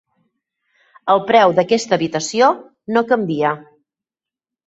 El preu d'aquesta habitació no canvia.